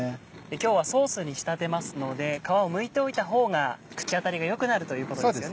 今日はソースに仕立てますので皮をむいておいた方が口当たりが良くなるということですよね。